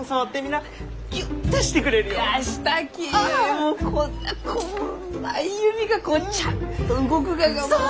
もうこんなこんまい指がこうちゃんと動くががもう！